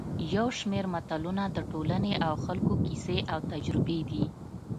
یو شمېر متلونه د ټولنې او خلکو کیسې او تجربې دي